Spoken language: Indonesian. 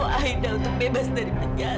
bantu aida untuk bebas dari penjara